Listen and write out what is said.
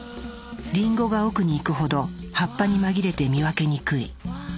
リンゴが奥にいくほど葉っぱに紛れて見分けにくい。